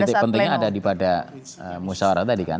titik pentingnya ada di pada musyawarah tadi kan